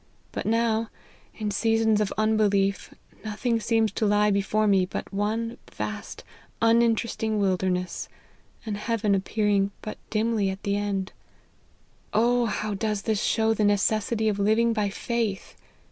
But now, in seasons of unbelief, nothing seems to lie before me but one vast uninteresting wilderness, and heaven appear ing but dimly at the end. Oh ! how does this show the necessity of living by faith